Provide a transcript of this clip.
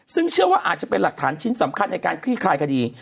ซึ่งเชื่อว่าอาจจะเป็นหลักฐานชิ้นสำคัญในการคลี่คลายคดี